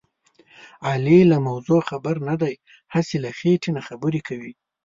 علي له موضوع خبر نه دی. هسې له خېټې نه خبرې کوي.